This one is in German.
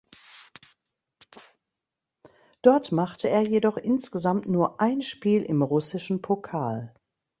Dort machte er jedoch insgesamt nur ein Spiel im russischen Pokal.